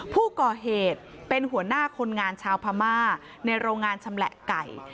ผู้ก่อเหตุเป็นหัวหน้าคนงานชาวพม่าในโรงงานชำแหละไก่